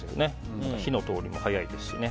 火の通りも早いですしね。